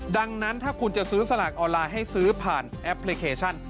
ดังนั้นถ้าคุณจะซื้อสลากออนไลน์ให้ซื้อผ่านแอปพลิเคชัน